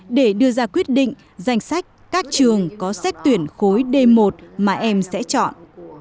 nguyễn ngọc anh quyết định danh sách các trường có xét tuyển khối d một mà em sẽ chọn